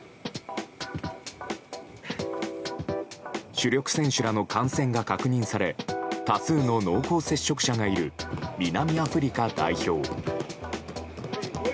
主力選手らの感染が確認され多数の濃厚接触者がいる南アフリカ代表。